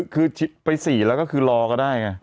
คือไป๔แล้วก็คือรอก็ได้ไง